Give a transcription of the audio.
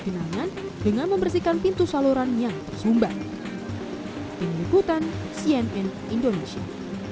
benangan dengan membersihkan pintu saluran yang terzumba penyeliputan cnn indonesia